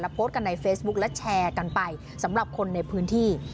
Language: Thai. โพสต์กันในเฟซบุ๊คและแชร์กันไปสำหรับคนในพื้นที่